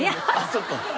そっか。